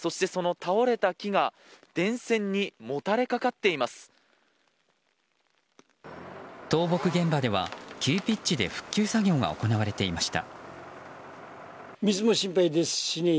倒木現場では急ピッチで復旧作業が行われていました。